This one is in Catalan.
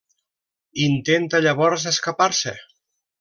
Intenta llavors escapar-se.